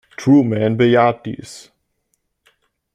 Truman bejaht dies.